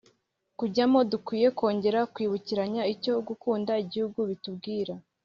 kujyamo dukwiye kongera kwibukiranya icyo gukunda Igihugu bitubwira